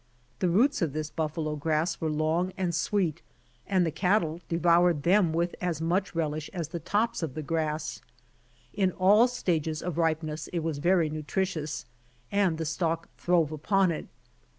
The roots of this buffalo grass were long and sweet, and the cattle devoured them, with as much relish as the tops of the grass. In all stages of ripe ness it was very nutritious, and the stock throve upon it.